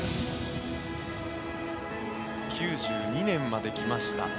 ９２年まで来ました。